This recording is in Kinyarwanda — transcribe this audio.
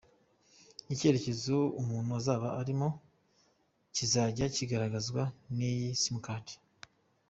Icyerekezo umuntu azajya aba arimo kizajya kigaragazwa n’iyo simcard.